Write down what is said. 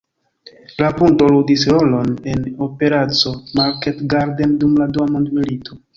La ponto ludis rolon en Operaco Market Garden dum la Dua Mondmilito.